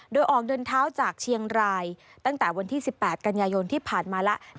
โดยออกเดินเท้าจากเชียงรายตั้งแต่วันที่๑๘กันยายนที่ผ่านมาแล้ว